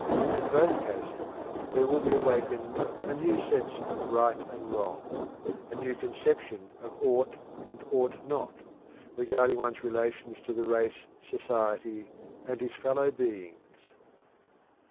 In both cases there will be awakened a new sense of "right and wrong" a new conception of "ought and ought not" regarding one's relations to the race, society, and his fellow beings.